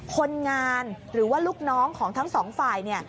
คนงานหรือว่าลูกน้องของทั้งสองฝ่าย